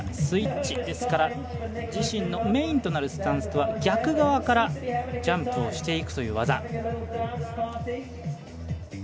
スイッチですから自身のメインとなるスタンスとは逆側からジャンプしていくという技。